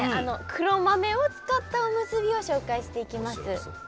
黒豆を使ったおむすびを紹介していきます。